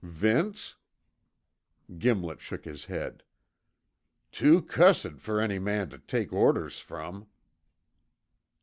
"Vince?" Gimlet shook his head. "Too cussed fer any man tuh take orders from."